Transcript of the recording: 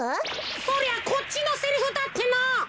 そりゃこっちのセリフだっての！